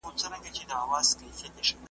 په دلیل او په منطق چي نه پوهېږي `